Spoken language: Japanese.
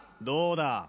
どうだ。